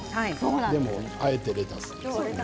でも、あえてレタス。